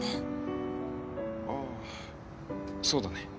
ああそうだね。